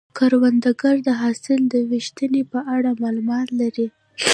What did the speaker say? کروندګر د حاصل د ویشنې په اړه معلومات لري